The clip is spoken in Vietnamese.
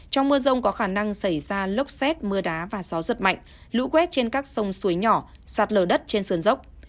trong mưa rông có khả năng xảy ra lốc xét mưa đá và gió giật mạnh lũ quét trên các sông suối nhỏ sạt lở đất trên sườn dốc